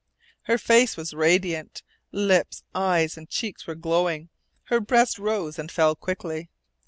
Her face was radiant. Lips, eyes, and cheeks were glowing. Her breast rose and fell quickly.